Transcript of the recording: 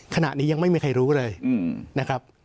ขณะนี้ยังไม่มีใครรู้เลยนะครับ